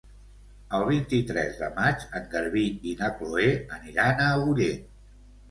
El vint-i-tres de maig en Garbí i na Chloé aniran a Agullent.